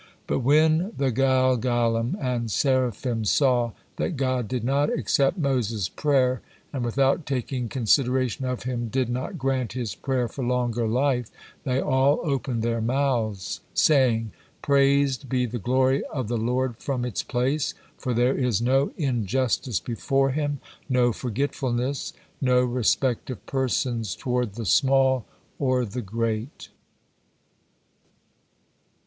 But when the Galgalim and Seraphim saw that God did not accept Moses' prayer, and without taking consideration of him did not grant his prayer for longer life, they all opened their mouths, saying: "Praised be the glory of the Lord from its place, for there is no injustice before Him, no forgetfulness, no respect of persons toward the small or the great."